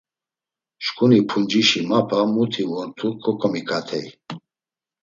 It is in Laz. Şǩuni p̌uncişi Mapa muti vortu koǩomiǩatey.